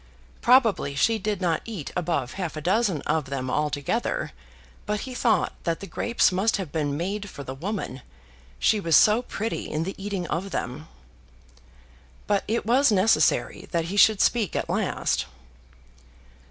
Probably she did not eat above half a dozen of them altogether, but he thought that the grapes must have been made for the woman, she was so pretty in the eating of them. But it was necessary that he should speak at last.